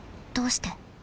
どうして？